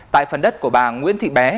tại phần đất của bà nguyễn thị bé